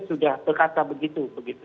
sudah berkata begitu